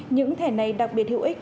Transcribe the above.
những thẻ này đặc biệt hữu ích